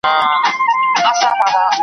نن به دي سېل د توتکیو تر بهاره څارې .